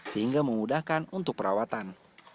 sehingga memudahkan untuk perawatan